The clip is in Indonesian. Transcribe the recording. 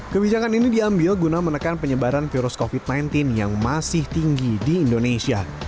kebijakan ini diambil guna menekan penyebaran virus covid sembilan belas yang masih tinggi di indonesia